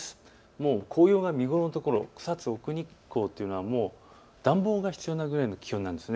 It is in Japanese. もう紅葉が見頃のところ、草津、奥日光というのは暖房が必要なぐらいの気温なんです。